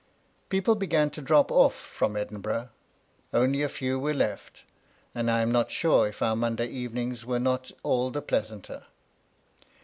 People began to drop oflF from Edinburgh, only a few were left, and I am not sure if our Monday even ings were not all the pleasanter.